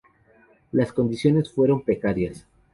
Las condiciones fueron precarias.